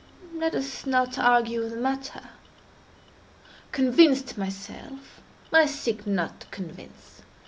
—let us not argue the matter. Convinced myself, I seek not to convince.